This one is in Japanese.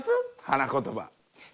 花言葉。